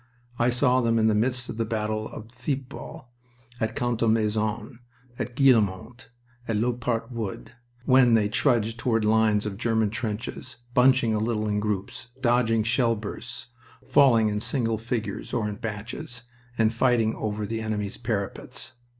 I saw them in the midst of battle at Thiepval, at Contalmaison, at Guillemont, by Loupart Wood, when they trudged toward lines of German trenches, bunching a little in groups, dodging shell bursts, falling in single figures or in batches, and fighting over the enemy's parapets.